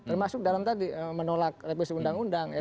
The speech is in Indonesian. termasuk dalam tadi menolak revisi undang undang ya